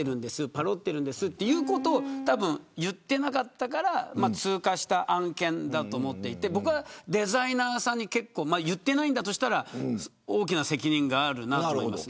パロってるんですということを言ってなかったから通過した案件だと思っていて僕はデザイナーさんに言ってないんだとしたら大きな責任があるなと思います。